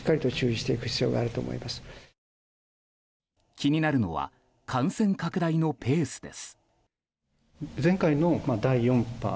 気になるのは感染拡大のペースです。